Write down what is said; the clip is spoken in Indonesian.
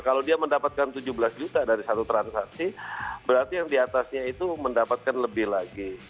kalau dia mendapatkan tujuh belas juta dari satu transaksi berarti yang diatasnya itu mendapatkan lebih lagi